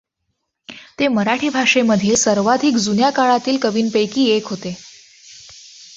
ते मराठी भाषेमधील सर्वाधिक जुन्या काळातील कवींपैकी एक होते.